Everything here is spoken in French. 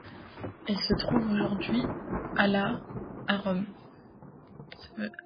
Elle se trouve aujourd'hui à la à Rome.